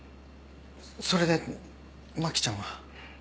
それで真貴ちゃんは？